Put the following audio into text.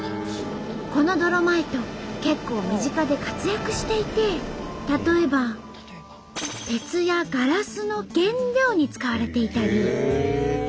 このドロマイト結構身近で活躍していて例えば鉄やガラスの原料に使われていたり。